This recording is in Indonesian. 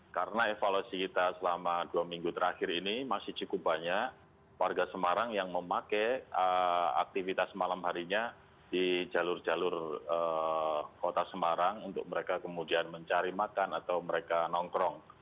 karena evaluasi kita selama dua minggu terakhir ini masih cukup banyak warga semarang yang memakai aktivitas malam harinya di jalur jalur kota semarang untuk mereka kemudian mencari makan atau mereka nongkrong